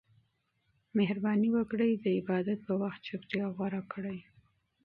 مهرباني وکړئ د عبادت پر مهال چوپتیا غوره کړئ.